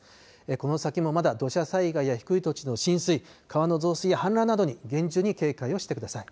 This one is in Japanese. この先もまだ土砂災害や低い土地の浸水、川の増水や氾濫などに厳重に警戒をしてください。